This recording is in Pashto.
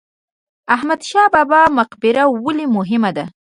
احمد شاه بابا مقبره ولې مهمه ده؟